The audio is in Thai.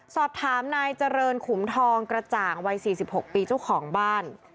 สอบถามนายเจริญขุมทองกระจ่างวัย๔๖ปีเจ้าของบ้าน